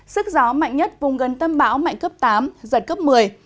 sức gió mạnh nhất vùng gần tâm bão mạnh cấp tám giật cấp một mươi